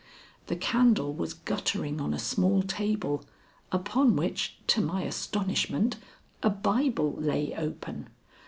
The candle was guttering on a small table upon which, to my astonishment, a Bible lay open.